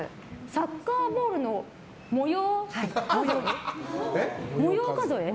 サッカーボールの模様数え。